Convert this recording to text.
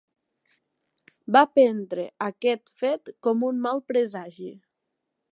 Va prendre aquest fet com un mal presagi.